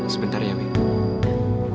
sebentar ya may